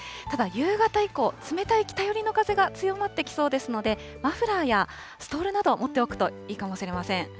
ただ、夕方以降、冷たい北寄りの風が強まってきそうですので、マフラーやストールなど持っておくといいかもしれません。